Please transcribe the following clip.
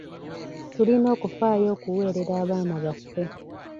Tulina okufaayo okuweerera abaana baffe.